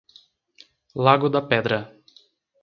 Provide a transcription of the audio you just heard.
Lago da Pedra